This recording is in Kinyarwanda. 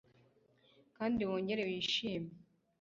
kandi wongere wishime